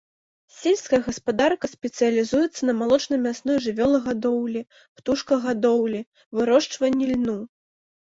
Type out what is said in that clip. Сельская гаспадарка спецыялізуецца на малочна-мясной жывёлагадоўлі, птушкагадоўлі, вырошчванні льну.